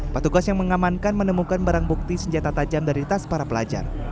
petugas yang mengamankan menemukan barang bukti senjata tajam dari tas para pelajar